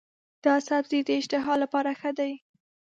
دا سبزی د اشتها لپاره ښه دی.